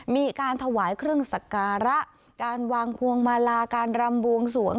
มีการถวายเครื่องสักการะการวางพวงมาลาการรำบวงสวง